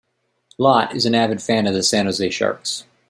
Lott is an avid fan of the San Jose Sharks.